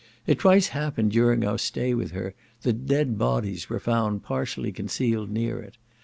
It twice happened during our stay with her, that dead bodies were found partially concealed near it.